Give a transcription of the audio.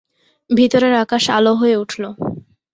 ভিতরের আকাশ আলো হয়ে উঠল।